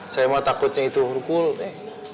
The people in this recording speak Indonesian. saya mah takutnya itu hukul tete